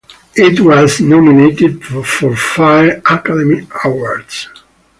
It was nominated for five Academy Awards.